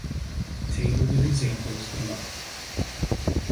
Table with examples below.